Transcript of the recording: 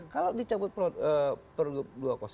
kalau dicabut pergub dua ratus dua